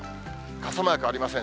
傘マークありません。